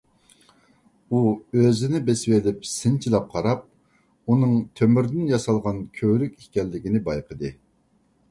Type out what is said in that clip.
ئۇ ئۆزىنى بېسىۋېلىپ، سىنچىلاپ قاراپ، ئۇنىڭ تۆمۈردىن ياسالغان كۆۋرۈك ئىكەنلىكىنى بايقىدى.